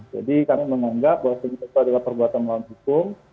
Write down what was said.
jadi kami menganggap bahwasanya kpu adalah perbuatan melawan hukum